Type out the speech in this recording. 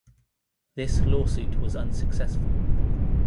This lawsuit was unsuccessful.